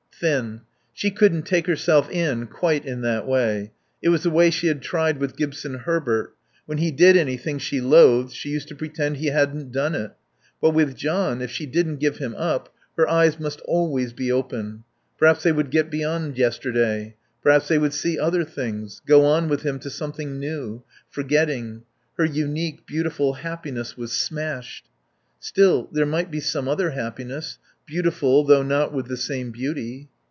Thin. She couldn't take herself in quite in that way. It was the way she had tried with Gibson Herbert. When he did anything she loathed she used to pretend he hadn't done it. But with John, if she didn't give him up, her eyes must always be open. Perhaps they would get beyond yesterday. Perhaps she would see other things, go on with him to something new, forgetting. Her unique, beautiful happiness was smashed. Still, there might be some other happiness, beautiful, though not with the same beauty.